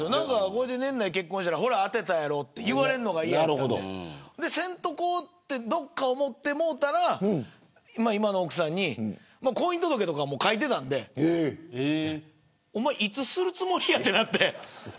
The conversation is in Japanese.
これで年内結婚したらほら当てたやろと言われるのが嫌やったんでせんとこっってどっか思ってもうたら今の奥さんに婚姻届は、もう書いていたのでおまえいつするつもりやとなって。